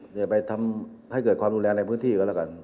กว่าจะไปทำให้เกิดความดูแลในพื้นที่ก็แล้วกัน